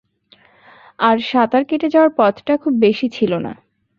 আর সাঁতার কেটে যাওয়ার পথটা খুব বেশি ছিল না।